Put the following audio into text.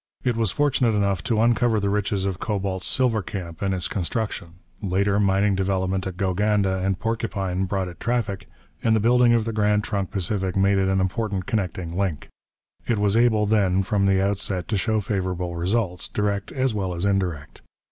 It was fortunate enough to uncover the riches of Cobalt's silver camp in its construction; later, mining development at Gowganda and Porcupine brought it traffic; and the building of the Grand Trunk Pacific made it an important connecting link. It was able, then, from the outset to show favourable results, direct as well as indirect.